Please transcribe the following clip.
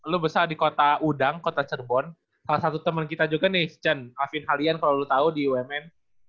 lu besar di kota udang kota cerbon salah satu teman kita juga nih chen alvin halian kalau lu tahu di umn